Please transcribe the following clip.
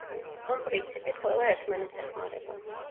ამ პრინციპით ყველა ერთმანეთს ეხმარება.